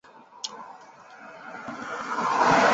人们将尽快重新在这座山上种树。